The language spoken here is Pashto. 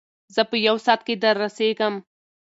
زه په یو ساعت کې در رسېږم.